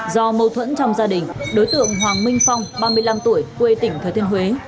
do mâu thuẫn trong gia đình đối tượng hoàng minh phong ba mươi năm tuổi quê tỉnh thừa thiên huế